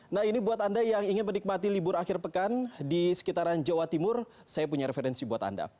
nah ini buat anda yang ingin menikmati libur akhir pekan di sekitaran jawa timur saya punya referensi buat anda